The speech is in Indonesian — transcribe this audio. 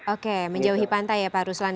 oke menjauhi pantai ya pak ruslan